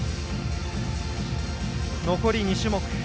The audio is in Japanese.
残り２種目。